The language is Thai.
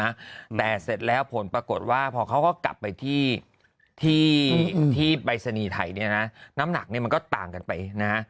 นะแต่เสร็จแล้วผลปรากฏว่าพอเขาก็กลับไปที่ที่ปรายศนีย์ไทยเนี่ยนะน้ำหนักเนี่ยมันก็ต่างกันไปนะฮะ